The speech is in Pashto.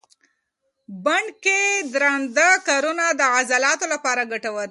بڼ کې درانده کارونه د عضلاتو لپاره ګټور دي.